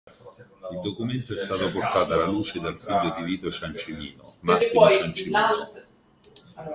Il documento è stato portato alla luce dal figlio di Vito Ciancimino, Massimo Ciancimino.